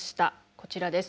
こちらです。